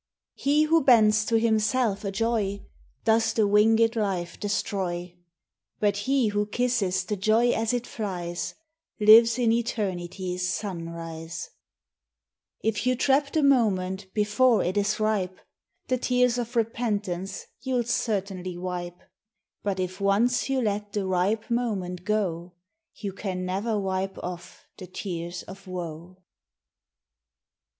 He who bends to himself a joy Does the winged life destroy ; But he who kisses the joy as it flies Lives in eternity's sunrise If you trap the moment before it is ripe, The tears of repentance you '11 certainly wipe; But if once you let the ripe moment go, You can never wipe off the tears <>! wqq* W1U.